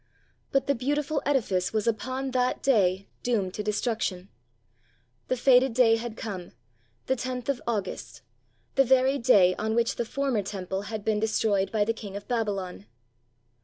But the beautiful edifice was upon that day doomed to destruction. The fated day had come, the loth of August, the very day on which the former Temple had been destroyed by the King of Babylon.